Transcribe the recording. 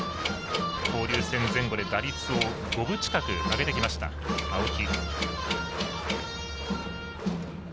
交流戦前後で打率を５分近く上げてきた青木。